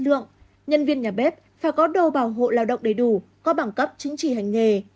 lượng nhân viên nhà bếp phải có đồ bảo hộ lao động đầy đủ có bảng cấp chính trị hành nghề